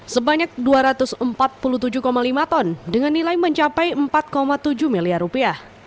sebanyak dua ratus empat puluh tujuh lima ton dengan nilai mencapai empat tujuh miliar rupiah